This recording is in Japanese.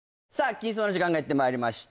金スマの時間がやってまいりました